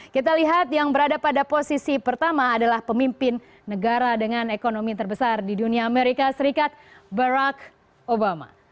kita lihat yang berada pada posisi pertama adalah pemimpin negara dengan ekonomi terbesar di dunia amerika serikat barack obama